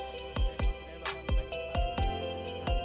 mereka juga menyambut bagian dari ppp